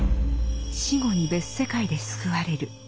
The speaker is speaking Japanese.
「死後に別世界で救われる」